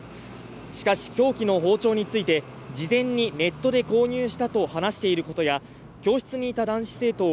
しかし、凶器の包丁について事前にネットで購入したと話していることや教室にいた男子生徒を